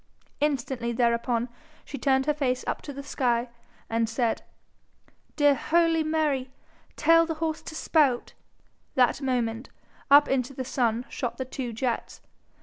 Instantly thereupon she turned her face up to the sky, and said, 'Dear holy Mary, tell horse to spout.' That moment up into the sun shot the two jets.